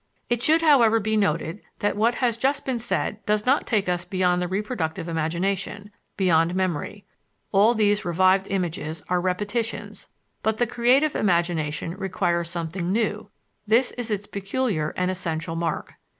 It should, however, be noted that what has just been said does not take us beyond the reproductive imagination beyond memory. All these revived images are repetitions; but the creative imagination requires something new this is its peculiar and essential mark.